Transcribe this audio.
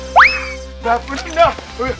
kalian gak apa apa